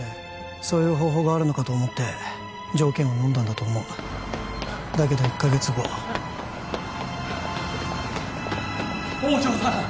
そういう方法があるのかと思って条件をのんだんだと思うだけど１カ月後宝条さん！